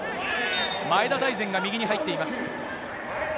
前田大然が右に入っています。